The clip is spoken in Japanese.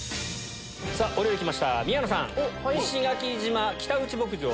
お料理きました宮野さん。